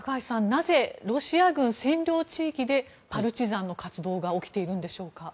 なぜ、ロシア軍占領地域でパルチザンの活動が起きているんでしょうか。